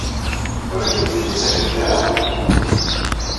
Ur ak-tent-id-ttakent ara?